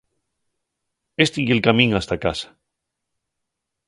Esti ye'l camín hasta casa.